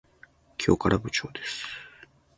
今日から部長です。